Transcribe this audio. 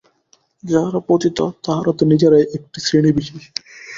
যাহারা পতিত, তাহারা তো নিজেরাই একটি শ্রেণীবিশেষ।